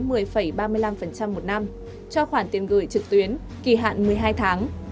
một số ngân hàng khác có mức lãi suất huy động một mươi một năm cho khoản tiền gửi trực tuyến kỳ hạn một mươi hai tháng